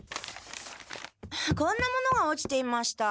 こんなものが落ちていました。